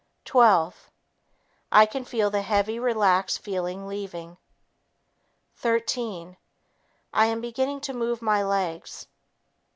Twelve ... I can feel the heavy, relaxed feeling leaving. Thirteen ... I am beginning to move my legs.